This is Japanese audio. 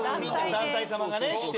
団体様がね来て。